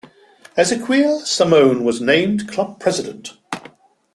Ezequiel Simone was named club president.